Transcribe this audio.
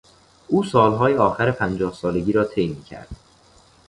او سالهای آخر پنجاه سالگی را طی میکرد.